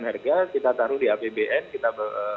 harga kita taruh di apbn kita